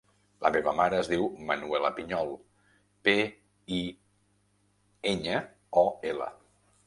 La meva mare es diu Manuela Piñol: pe, i, enya, o, ela.